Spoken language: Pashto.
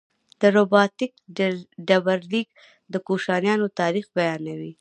د رباتک ډبرلیک د کوشانیانو تاریخ بیانوي